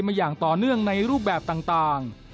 อย่างต่อเนื่องในรูปแบบต่าง